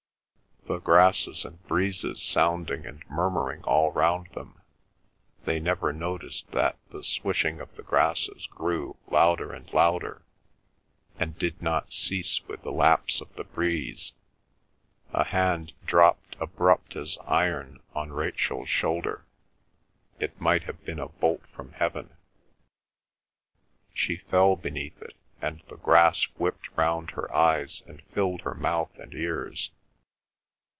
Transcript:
The grasses and breezes sounding and murmuring all round them, they never noticed that the swishing of the grasses grew louder and louder, and did not cease with the lapse of the breeze. A hand dropped abrupt as iron on Rachel's shoulder; it might have been a bolt from heaven. She fell beneath it, and the grass whipped across her eyes and filled her mouth and ears.